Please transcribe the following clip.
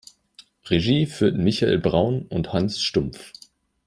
Regie führten Michael Braun und Hans Stumpf.